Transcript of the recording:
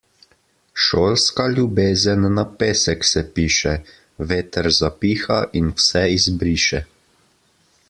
Šolska ljubezen na pesek se piše, veter zapiha in vse izbriše.